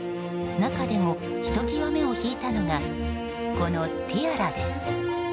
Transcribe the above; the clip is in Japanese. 中でも、ひときわ目を引いたのがこのティアラです。